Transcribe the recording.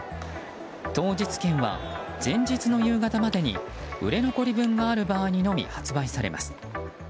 当日券は前日の夕方までに売れ残り分がある場合にのみ発売されます。